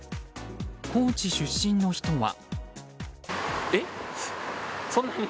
高知出身の人は。